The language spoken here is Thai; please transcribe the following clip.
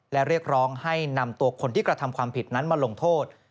และเรียกร้องให้นำตัวคนที่กระทำความผิดนั้นมาลงโทษ